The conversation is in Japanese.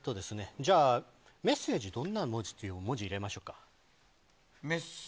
メッセージはどんな文字を入れましょうか。